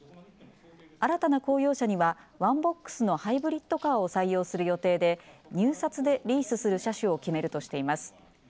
新たな公用車にはワンボックスのハイブリットカーを採用する予定で入札でリースする車種を決めるとしています。